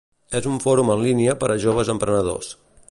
És un fòrum en línia per a joves emprenedors.